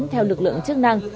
theo lực lượng chức năng